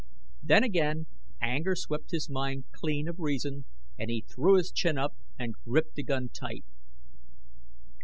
Then again anger swept his mind clean of reason, and he threw his chin up and gripped the gun tight.